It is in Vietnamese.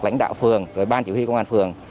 lãnh đạo phường ban chỉ huy công an phường